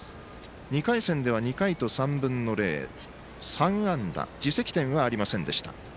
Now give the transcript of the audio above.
２回戦では２回３分の０、３安打。自責点はありませんでした。